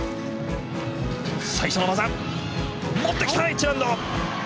最初の技持ってきたＨ難度。